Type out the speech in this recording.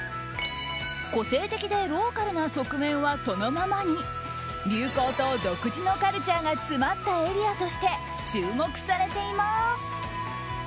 個性的でローカルな側面はそのままに流行と独自のカルチャーが詰まったエリアとして注目されています。